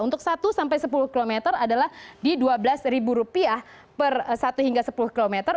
untuk satu sampai sepuluh kilometer adalah di dua belas rupiah per satu hingga sepuluh kilometer